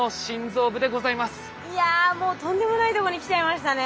いやもうとんでもないとこに来ちゃいましたね。